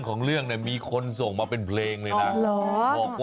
เข้าป่ามาแล้ว